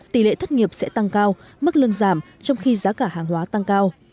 tỷ lệ thất nghiệp sẽ tăng cao mức lương giảm trong khi giá cả hàng hóa tăng cao